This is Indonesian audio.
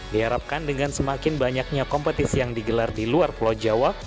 diharapkan dengan semakin banyaknya kompetisi yang digelar di luar pulau jawa